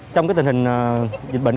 trong tình hình dịch bệnh